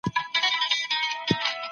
د مناره ګم ګشته کتاب خورا ګټور دی.